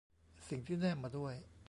สิ่งที่แนบมาด้วย